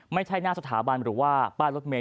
ไม่ใช่หน้าสถาบันหรือว่าป้ายรถเมย